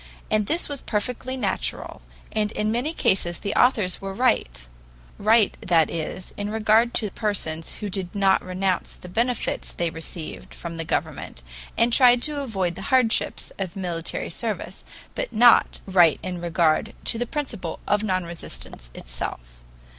And this was perfectly natural, and in many cases the authors were right right, that is, in regard to persons who did not renounce the benefits they received from the government and tried to avoid the hardships of military service, but not right in regard to the principle of non resistance itself.